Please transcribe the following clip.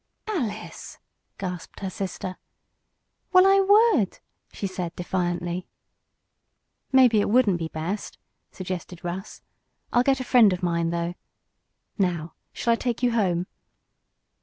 "Alice!" gasped her sister. "Well, I would," she said, defiantly. "Maybe it wouldn't be best," suggested Russ. "I'll get a friend of mine, though. Now shall I take you home?"